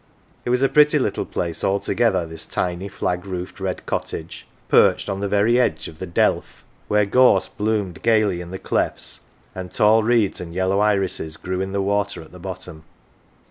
It 149 AUNT JINNY was a pretty little place altogether, this tiny, flag roofed, red cottage, perched on the verv edge of the "delf," where gorse bloomed gaily in the clefts, and tall reeds and yellow irises grew in the water at the bottom.